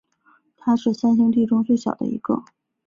他是三兄弟中最小的一个。